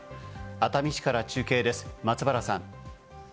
熱海市から中継です、松原さん。